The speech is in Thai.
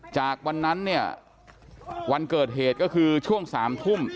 จากวันนั้นเนี่ยวันเกิดเหตุก็คือช่วง๓ทุ่ม